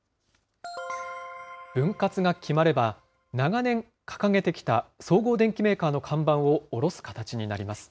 分割が決まれば、長年掲げてきた総合電機メーカーの看板を下ろす形になります。